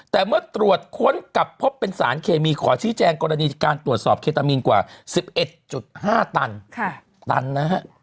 แต่เมื่อตรวจค้นกลับพบเป็นสารเคมีขอชี้แจงกรณีการตรวจสอบเคตามีนกว่า๑๑๕ตันตันนะฮะ